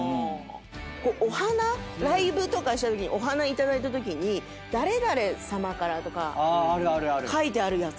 お花ライブとかしたときにお花頂いたときに「誰々さまから」とか書いてあるやつ。